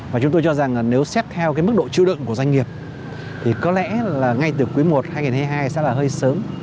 và chúng tôi cho rằng nếu xét theo cái mức độ chưa đựng của doanh nghiệp thì có lẽ là ngay từ quý i hai nghìn hai mươi hai sẽ là hơi sớm